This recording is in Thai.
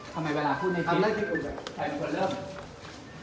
ทำไมเวลาพูดไม่คิด